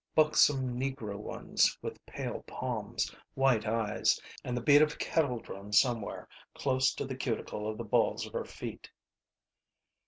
Buxom negro ones, with pale palms, white eyes, and the beat of kettledrums somewhere close to the cuticle of the balls of her feet.